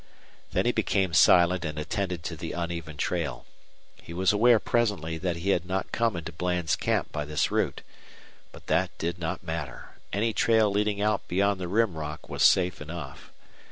Then he became silent and attended to the uneven trail. He was aware presently that he had not come into Bland's camp by this route. But that did not matter; any trail leading out beyond the Rim Rock was safe enough.